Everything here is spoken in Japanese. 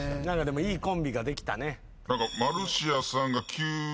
いいコンビができたね。